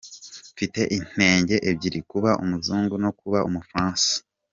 “ Mfite inenge ebyiri ,kuba Umuzungu no kuba Umufaransa”